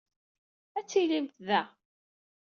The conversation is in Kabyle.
Ad tilimt da.